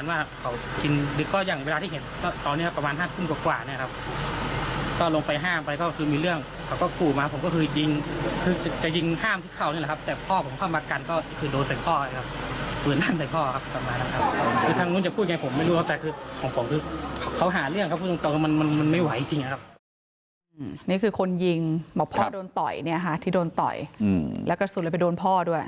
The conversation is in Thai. นี่คือคนยิงบอกพ่อโดนต่อยเนี่ยค่ะที่โดนต่อยแล้วกระสุนเลยไปโดนพ่อด้วย